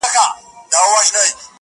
دوې یې سترګي وې په سر کي غړېدلې٫